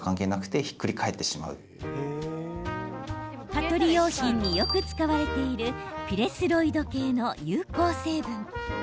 蚊取り用品によく使われているピレスロイド系の有効成分。